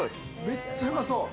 めっちゃうまそう。